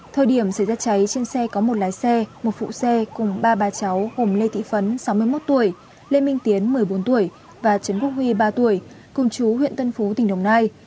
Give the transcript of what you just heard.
thời điểm xảy ra cháy trên xe có một lái xe một phụ xe cùng ba ba cháu gồm lê thị phấn sáu mươi một tuổi lê minh tiến một mươi bốn tuổi và trần quốc huy ba tuổi cùng chú huyện tân phú tỉnh đồng nai